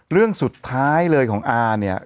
เรื่องสุดท้ายเลยของอาเนี่ย